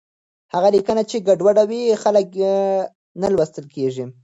هغه لیکنه چې ګډوډه وي، خلک نه لوستل کېږي.